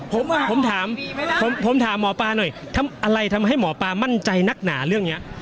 ผมถามผมถามหมอปลาหน่อยทำอะไรทำให้หมอปลามั่นใจนักหนาเรื่องนี้